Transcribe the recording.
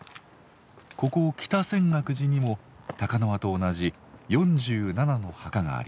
ここ北泉岳寺にも高輪と同じ４７の墓があります。